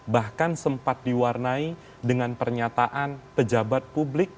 bahkan sempat diwarnai dengan pernyataan pejabat publik